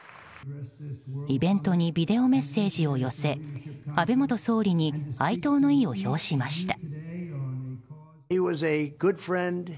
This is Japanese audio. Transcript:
イベントにビデオメッセージを寄せ安倍元総理に哀悼の意を表しました。